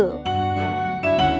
gigi mau makan steaknya